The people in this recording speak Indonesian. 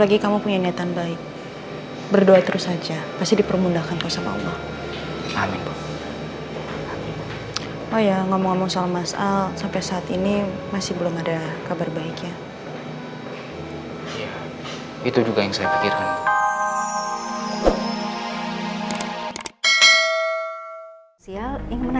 itu juga yang saya pikirkan